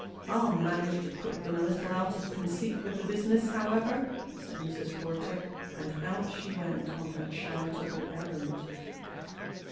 " I'll manage to put them a little out of conceit with the business, however," said Mrs. Porter ; and out she went on her charitable errand.